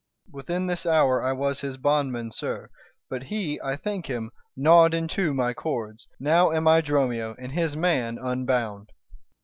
E._ Within this hour I was his bondman, sir, But he, I thank him, gnaw'd in two my cords: Now am I Dromio, and his man unbound.